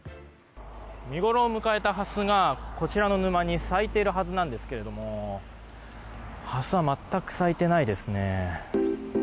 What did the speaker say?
見ごろを迎えたハスがこちらの沼に咲いているはずなんですけどもハスは全く咲いていないですね。